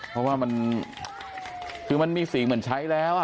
เพราะว่ามันคือมันมีสีเหมือนใช้แล้ว